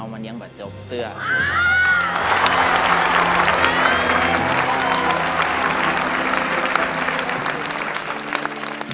มันยังแบบจมเสื้อ